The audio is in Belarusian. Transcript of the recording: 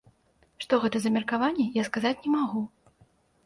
Што гэта за меркаванні, я сказаць не магу.